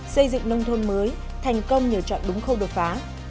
xây dựng nông thôn mới thành công nhờ chọn đúng khâu đột phá